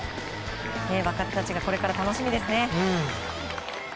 若手たちがこれから楽しみですね。